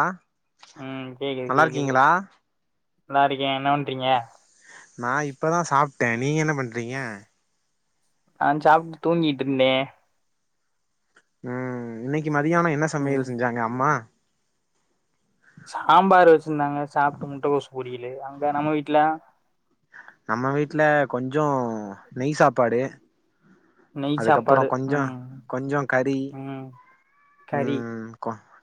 ஆ ம் கேக்குது கேக்குது நல்லா இருக்கே என்ன பன்றறீங்க நா இப்பதா சாப் த நீங்க என்ன பண்றீங்க நா சாப்ட்டு தூங்கிட்டு இருந்தே உம் இன்னி கி மதியான என்ன ம் சமையல் செஞ்சாங்க அம்மா சாம்பார் வச்சிருந்தாங்க சாப்ட்டு முட்டக்கோஸ் பொரியலு அங்க நம்ம வீட்ல நம்ம வீட்டுல கொஞ்சு நெய் சாப் பாடு நெய் அதுக்கப்புறோ சாப்பாடு கொஞ்சோ ம் கொஞ்சோ கறி ம் கறி உம்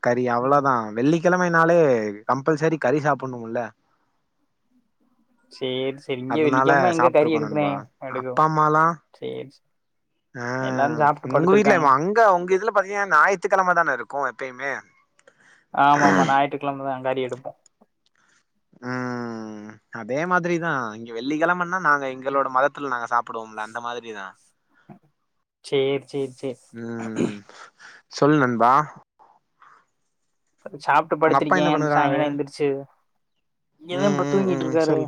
கறி அவ்வளவுதா வெள்ளி கெழமைனாலே கம்பல்சரி கறி சாப்புட்ணும்ல்ல சேரி சேரி இங்க அதனால வெள்ளிக்கெழம எங்க கறி சாப்ட்டுருக்கோ எடுக்குறே நண்பா எடுக்கோ அப்பா அம்மாலா சேரி அ எல்லாரு சாப்ட்டு உங்க வீட்ல படுத்திருக்காங்க அங்க உங்க இதுல பாத்தீங்க ஞாயித்துக்கழமதான இருக்கு க்கு எப்பயமே ஆமாமா ஞாயி்றுக்கழம தா மாரி எடுப்போ ம் அதே மாதுரிதா இங்க வெள்ளிகெழமண்ணா நாங்க எங்களோட மதத்துல நாங்க சாப்புடுவோம்ல அந்த மாதுரிதா சேர் சேர் சேர் சொல்லு நண்பா அப்ப சாப்ட்டு உங்க அப்பா படுத்துருக்கே என்ன பண்ணுறாரு சாய்ங்கால எந்துருச்சு ம் ம் ம் சொல்லு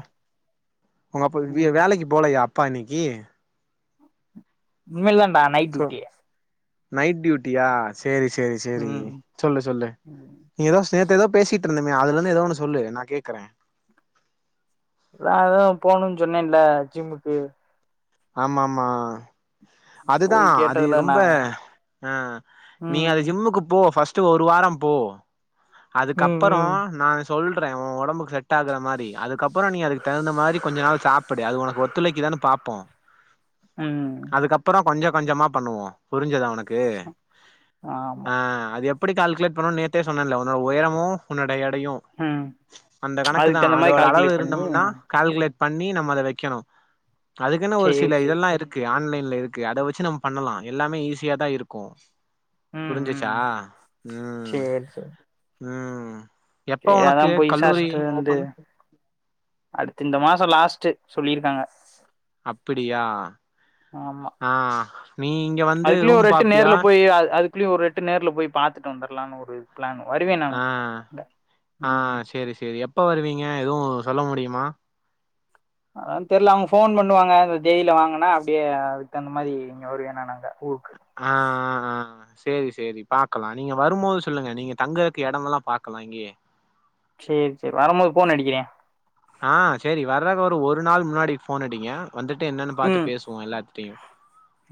உங்க அப்ப ம் வேலக்கு போலயா ப இன்னிக்கு உண்மையில ப நைட் சொ டூட்டி நைட் டியூட்டியா சேரி சேரி சேரி ம் சொல்லு சொல்லு ம். நீ ஏதோஸ் நேத்து ஏதோ பேசிட் ட்ருந்துமே அதுலந்து ஏதோ ஒன்னு சொல்லு நா கேக்குற வேற எதுவு போணுன் சொன்னல்ல ஜிம்முக்கு ஆமா ஆமா அதுதா போய் அது கேட்டதுல நா ரொம்ப அ நீ ம் அது ஜிம்முக்கு போ ஃபஸ்ட் ஸ்ட்டு ஒரு வாரம் போ ம் அதுக்கப்பறோ ம் நா சொல்றே ஊ ஒடம்புக்கு செட் ஆகுற மாரி அதுக் கப்புறோ நீ அதுக்கு தகுந்த மாரி கொஞ்ச நாள் சாப்புடு அது உனக் ஒத்துழைக்குதான்னு பாப்போ ம் ஆ கொஞ்ச கொஞ்சமா பண்ணுவோ புரிஞ்சுதா உனக் கு ஆமா ஆ அது எப் ப்புடி கால்குலேட் பண்ணோன் நேத்தே சொன்னல்ல உன்னோட உயரமு உன்னோடை எ டையு ம் அந்த கணக்கு அதுக்கு தா தகுந்த மாரி அதோட அளவு கால்குலேட் பண்ணி இருந்தம்னா கால்குலேட் பண்ணி நம்மத வெக்கணோ அதுக்குனு ஒர் சேரி சில சேரி இதெல்லா இருக்கு ஆன்லைன் லேத் கு அத வெச்சு நம் பண்ணலா எல்லாமே ஈஸியாதா இருக்கோ ம் ம் புரிஞ்சிச்சா ம் சேரி சேரி ம் எப்ப அதா உனக்கு போய் கல்லூரி வீசாரிசிட்டு வந்து ஓப்பன் அடுத்த இந்த மா ச லாஸ்ட்டு சொல்லிருக்காங்க அப்பிடியா ஆ நீ இங்க வந்து அதுக்குல்லயே ரூம் ஒரு எட்டு பாப்பியா நேர்ல போய் அ அதுக் குல்லையு ஒரு எட்டு நேர்ல போய் பாத்துட்டு வந்துர்லானு ஒரு பிளான் வருவே நானு ஆ இங்க ஆ ம் செரி செரி எப்ப வருவீங்க எதுவு சொல்ல முடியுமா அதா தெரில அவங்க ஃபோன் பண்ணுவாங்க இந்த தேதில வாங்கண்ணா அப்டியே அதுக்கு தகுந்த மாரி இங்க வருவேனா நாங்க ஆ ஆ ஆ ஆ செ சேரி சேரி பாக்கலா நீங்க வருபோது சொல்லுங்க நீங்க தங்கறக்கு எடமெல்லா பாக்கலா இங்கயே சேரி செரி வரும்போது ஃபோன் அடிக்கிறே ஆ சேரி வர்றக்கு ஒரு நாள் முன்னாடி ஃபோன் அடிங்க வந்துட்டு என்னன் பாத்து பேசுவோ எல்லாத்திட்டையு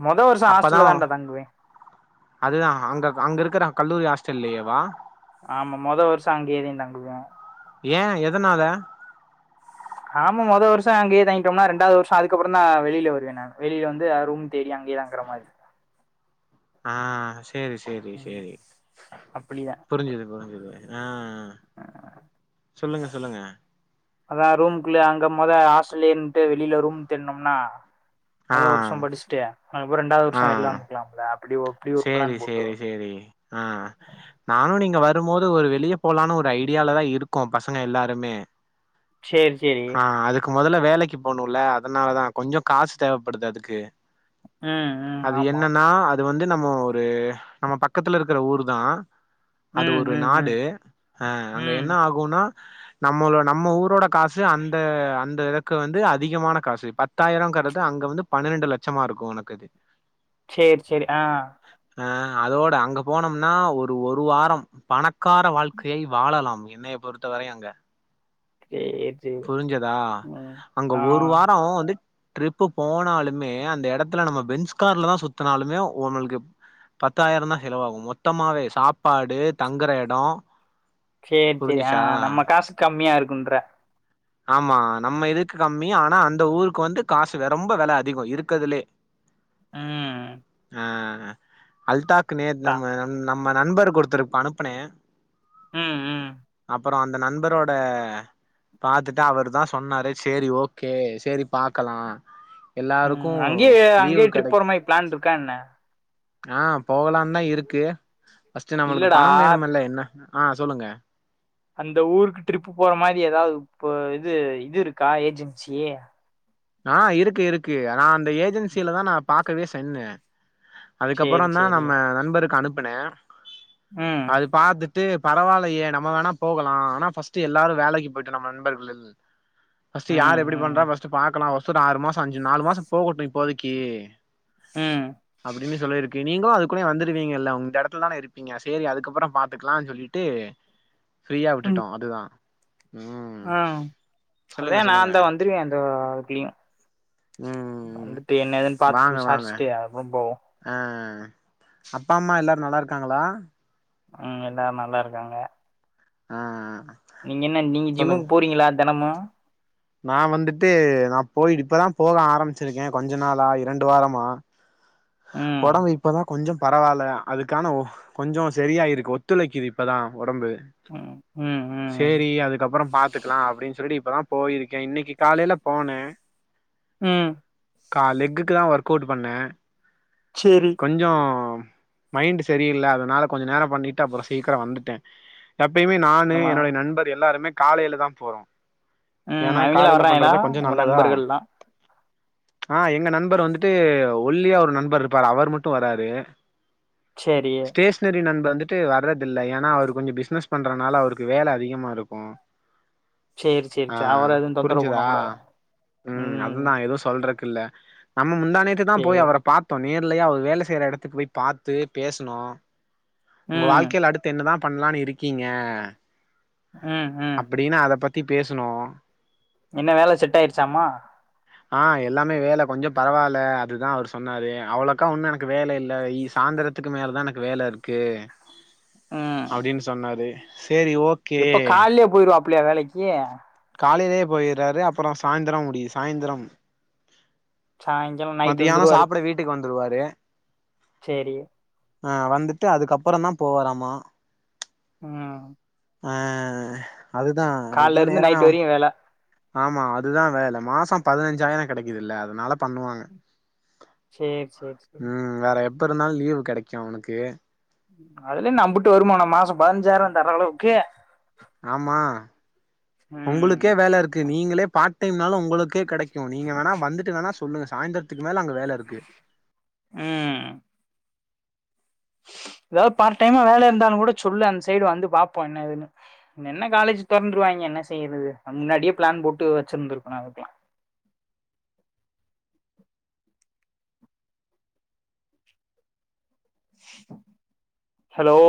முதல் வருசோ ஹாஸ்டல்ல தான்ட தங்குவே அதுதா அங்க அங்க இருக்கற கல்லூரி ஹாஸ்டல்லலயேவா ஆமா மொத வருசோ அங்கயேதே தங்குவே ஏ எதனால ஆமா முதல் வருசோ அங்கேயே தாங்கிட்டம்னா ரெண்டாவது வருசோ அதுக்கப்புறந்தா வெளில வருவே நா வெளில வந்து அ ரூம் தேடி அங்கேயே தங்குற மாரி தான்டா ஆஹ் சேரி சேரி சேரி அப்டிதா புரிஞ்சுது புரிஞ்சுது ஆஹ்‌ சொல்லுங்க சொல்லுங்க அதா ரூம்குள்ளே அங்க முத ஹாஸ்டலே இன்ட்டு வெளில ரூம் தேட்னும்னா ஆ அத ஒரு வருசோ படிச்சுட்டு அப்ப ரெண்டாது வருசோ ஆ வெளில வந்துக்கலாம்ல அப்டி அப்டி ஒரு சேரி பிளான் போட்டு சேரி சேரி ஆஹ் நானு நீங்க வ ரும்போது ஒரு வெளிய போலானு ஒரு ஐடியால தா இருக்கோ பசங்க எல்லாருமே சேரி சேரி முதல்ல வேலைக்கு போணுல அதனால தா கொஞ்சோ காஸ் தேவப்படுது அதுக்கு உம் உம் ஆமா து வந்து நம்ம ஒரு நம்ம பக்கத்துல இருக்கிற ஊரு தா அது ம் ஒரு ம் ம் நாடு அஹ் அங்க ம் என்ன ஆகுனா நம்மள நம்ம ஊரோட காசு அந்த அந்த இதக்கு வந்து அதிகமான காசு பத்தாயிரம்ங்கறிறது அங்க வந்து பன்னிரெண்டு லட்சமா இருக்கும் உனக்கு அது சேரி சேரி ஆ ஆ அதோட அங்க போனோம்னா ஒரு ஒரு வாரம் பணக்கார வாழ்க்கையை வாழலாம் என்னைய பொறுத்தவரைையும் அங்க சேரி சேரி புரிஞ்சதா ம் அங்க ஒரு ஆ வாரம் வந்து ட்ரிப்பு போனாலுமே அந்த இடத்துல நம்ம பென்ஸ்கார்லதா சுத்தினாலுமே உங்களுக்கு பத்தாயிரம் தா செலவாகும் மொத்தமாவே சாப்பாடு தங்குற இடம் சேரி சேரி ஆ நம்ம காசு கம்மியா இருக்கு குன்ற ஆமா நம்ம இதுக்கு கம்மி ஆனா அந்த ஊருக்கு வந்து காசு ரொம்ப வில அதிகம் இருக்குறதுலே ம் அ அல்டாக் நேத்து தா நம்ம நம் நம்ம நண்பர் ஒருத்தருக்கு அனுப்பனே ம் ம் அப்பறம் அந்த நண்பரோட பாத்துட்டு அவரு தா சொன்னாரு சேரி ஓகே சேரி பாக்கலாம் ம் அங்கேயே அங்கேயே ட்ரிப் போற மாரி பிளான் இருக்கா என்ன ஆ போகலாம் தா இருக்கு ஃபஸ்ட் நம்மளுக்கு இல்லடா பணம் வேணும்மல்ல என்ன ஆ சொல்லுங்க அந்த ஊருக்கு ட்ரிப்பு போற மாரி ஏதாவது இ இது இது இருக்கா ஏஜென்சி ஆ இருக்கு இருக்கு நா அந்த ஏஜென்சியிலதா நா பாக்கவே செஞ்சே சேரி அதுக்கப்பறம்தா சேரி நம்ம நண்பருக்கு அனுப் ப்பனே ம் அது பாத்துட்டு டு பரவாயில்லயே நம்ம வேணா போகலாம் ஆனா ஃபர்ஸ்ட் எல்லாரும் வேலைக்கு போயிட்டு நம்ம நண்பர்கள் ஃபஸ்ட் யார் ம் எப்டி பண்றா ம் பக்கலாம் ஃபஸ்ட் ஆறு மாசம் அஞ்சு நாலு மாசம் போகட்டும் இப்போதிக்கி ம் அப்டினு சொல்லிருக்கு நீங்களும் அதுக்குல்லயே வந்துடுவீங்க இல்ல உங்க இடத்துல தானே இருப்பீங்க சேரி அதுக்கப்பறம் பாத்துக்கலானு சொல்லிட்டு ஃப்ரீயா ம் விட்டுட்டோ அதுதா ம் அதே சொல்லுங்க நா சொல்லுங்க இந்தா வந்துருவே அது காட்டியு ம் வந்துட்டு என்ன ஏதுன்னு பாத்துட்டு விசாரிச்சிட்டு அதுக்கப்பறம் போவோம் அ அப்பா அம்மா எல்லாரும் நல்லா இருக்காங்களா ம் எல்லாரும் நல்லா இருக்காங்க ஆ நீங்க என்ன நீங்க ஜிம்முக்கு போறீங்களா தினமும் நான் வந்துட்டு நான் போயி இப்பதான் போக ஆரம்பிச்சிருக்கேன் கொஞ்ச நாளா இரண்டு வாரமா ம் ஒடம்பு இப்பதான் கொஞ்சம் பரவாயில்ல அதுக்கான ஓஹ் கொஞ்சம் சரியாயிருக்கு ஒத்துழைக்குது இப்போ தான் ஒடம்பு ம் ம் ம் சேரி அதுக்கப்புறம் பாத்துக்கலாம் அப்பிடின்னு சொல்லிட்டு இப்பதான் போயிருக்கேன் இன்னைக்கு காலையில போனேன் உம் கா லெக்குக்கு தான் ஒர்க் அவுட் பண்ணேன் சேரி கொஞ்சம் மைண்ட்டு சரியில்ல அதனால கொஞ்ச நேரம் பண்ணிட்டு அப்புறம் சீக்கிரம் வந்துட்டேன் எப்பயுமே நானு ஆமா என்னுடைய நண்பர் எல்லாருமே காலையில தான் போறோம் உம் அவிங்களாம் வர்றாங்களா உங்க நண்பர்கலள்லாம் ஆஹ் எங்க நண்பர் வந்துட்டு ஒல்லியா ஒரு நண்பர் இருப்பாரு அவரு மட்டும் வராரு சேரி ஸ்டேஷ்னரி நண்பன் வந்து ட்டு வர்றதில்ல ஏன்னா அவரு கொஞ்ச பிசினஸ் பண்றனால அவருக்கு வேல அதிகமா இருக்கும் சேரி சேரி சேரி அவர எதுவு தொந்தரவு பண்ண கூடாது உம் க்கில்ல முந்தா நேத்துதான் போய் அவர பாத் நேர்லயே அவர் வேல செய்யுற எடத்துக்கு போய் பாத்து பேசுனோ உங்க ம் வாழ்க்கைல அடுத்து என்ன தான் பண்ணலானு இருக்கீங்க ம் ம் அப்படின்னு அத பத் த்தி பேசினோ என்ன வேல செட் ஆயிருச்சாமா ஆஹ் எல்லாமே வேல கொஞ்சோ பரவால்ல அதுதான் அவரு சொன்னாரு அவளக்கா ஒன்னும் எனக்கு வேலை இல்ல இனி சாந்தரத்துக்கு மேலதான் எனக்கு வேல இருக்கு அப்டின்னு சொன்னாரு சேரி ஓகே இப்ப கால்லேயே போயிருவாப் அப்ளே வேலைக்கி காலையிலே போயிர்றாரு அப்புற சாந்தரோ முடியுது சாய்ந்திரம் சாய்ங்காலோ நைட் மத்தியான வந்துருவாரு சாப்பிட வீட்டுக்கு வந்துடுவாரு தே சேரி அஹ் வந்துட்டு அதுக்கப்புறந்தான் போவாராமா உம் ஆஹ் அதுதான் அதுதான் இருந்து நேரமே ஆ நைட் வரையு வேல ஆமா அதுதா வேல மாச பதுனஞ்சாயிர கெடைக்குதுல்ல அதுனால பண்ணுவாங்க சேரி சேரி சேரி ம் வேற எப்ப இருந்தாலு லீவு் கெடக் சா ஒனக்கு அதுல என்ன அம்புட்டு வருமான மாச பதுனஞ்சாய்ர தர அளவுக்கு ஆமா ம் ஒங்களுக்கே வேல இருக்கு நீங்ளே பார்ட் டைம்னாலு உங்களுக்கே கடைக் கு நீங்க வேணா வந்துட்டு வேணா சொல்லுங்க சாய்ந்தரத்துக்கு மேல அங்க வேல இருக்கு ம் ஏதாவ்து பார்ட் டைமா வேல இருந்தாலுங்கூட சொல்லு அந்த சைடு வந்து பாப்போ என்ன ஏதுன்னு என்ன காலேஜ் தொறந்துருவாய்ங்க என்ன செய்யற்து அ முன்னாடியே ப்ளான் போட்டு வச்சிருந்துருக்குணு அதுக்லா ஹலோ